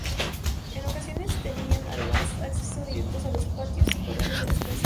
En ocasiones tenían, además, accesos directos a los patios y corrales de las casas.